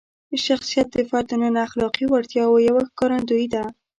شخصیت د فرد دننه د اخلاقي وړتیاوو یوه ښکارندویي ده.